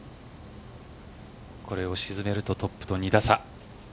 これを沈めるとトップと２打差。